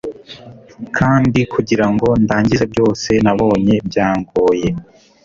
kandi kugirango ndangize byose nabonye byangoye